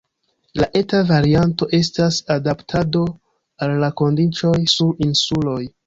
La eta varianto estas adaptado al la kondiĉoj sur insuloj.